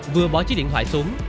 vừa bỏ chiếc điện thoại xuống